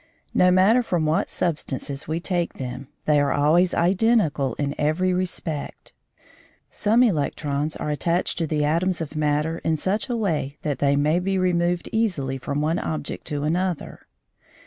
No matter from what substances we take them, they are always identical in every respect. Some electrons are attached to the atoms of matter in such a way that they may be removed easily from one object to another.